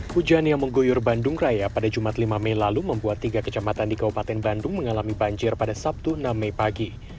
hujan yang mengguyur bandung raya pada jumat lima mei lalu membuat tiga kecamatan di kabupaten bandung mengalami banjir pada sabtu enam mei pagi